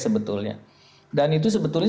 sebetulnya dan itu sebetulnya